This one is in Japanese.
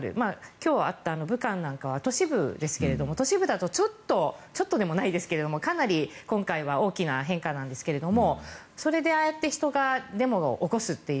今日あった武漢なんかは都市部ですが、都市部ではちょっとちょっとでもないですがかなり今回は大きな変化ですがそれで、ああやって人がデモを起こすという。